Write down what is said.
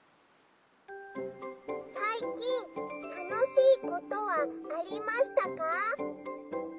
「さいきんたのしいことはありましたか？」。